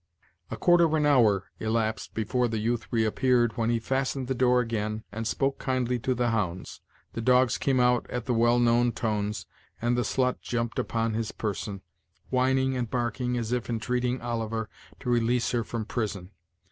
A quarter of an hour elapsed before the youth reappeared, when he fastened the door again, and spoke kindly to the hounds. The dogs came out at the well known tones, and the slut jumped upon his person, whining and barking as if entreating Oliver to release her from prison.